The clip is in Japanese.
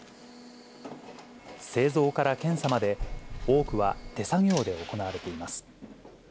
製造から検査まで、多くは手作業で行われています。